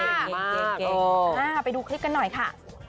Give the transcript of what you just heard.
ไปดูคลิปกันหน่อยค่ะ